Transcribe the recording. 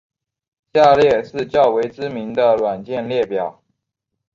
下列是较为知名的软件列表。